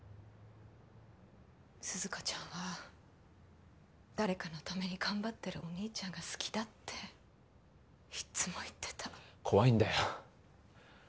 涼香ちゃんは「誰かのために頑張ってる」「お兄ちゃんが好きだ」っていっつも言ってた怖いんだよ